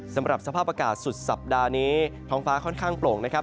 สำหรับสภาพอากาศสุดสัปดาห์นี้ท้องฟ้าค่อนข้างโปร่งนะครับ